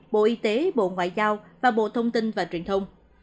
bộ y tế bộ ngoại giao và bộ thông tin và truyền thông